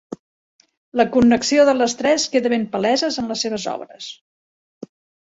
La connexió de les tres queda ben palesa en les seves obres.